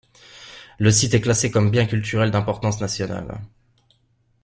Le site est classé comme bien culturel d'importance nationale.